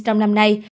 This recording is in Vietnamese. trong năm nay